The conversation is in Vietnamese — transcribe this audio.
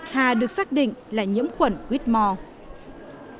hà được xác định là nhiễm khuẩn whitmore